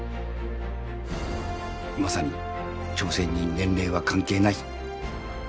まさに挑戦に年齢は関係ない。